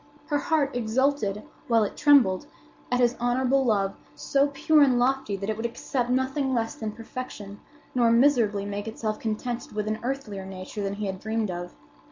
Her heart exulted, while it trembled, at his honorable love—so pure and lofty that it would accept nothing less than perfection nor miserably make itself contented with an earthlier nature than he had dreamed of.